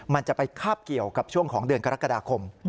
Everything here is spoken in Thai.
มันจะไปคาบเกี่ยวกับช่วงของเดือนกรกฎาคม